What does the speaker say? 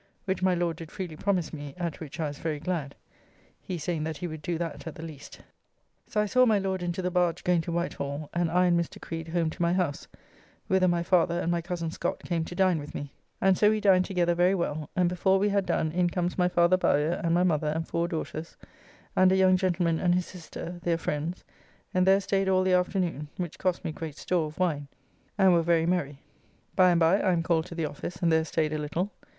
Which my Lord did freely promise me, at which I was very glad, he saying that he would do that at the least. So I saw my Lord into the barge going to Whitehall, and I and Mr. Creed home to my house, whither my father and my cozen Scott came to dine with me, and so we dined together very well, and before we had done in comes my father Bowyer and my mother and four daughters, and a young gentleman and his sister, their friends, and there staid all the afternoon, which cost me great store of wine, and were very merry. By and by I am called to the office, and there staid a little.